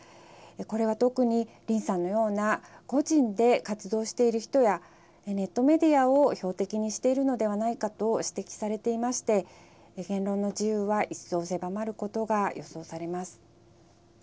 これは、特に林さんのような個人で活動している人やネットメディアを標的にしているのではないかと指摘されていまして言論の自由は一層狭まることが予想されます。